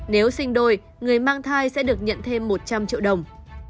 nếu sinh đôi người mang thai sẽ được nhận thêm một trăm linh triệu đồng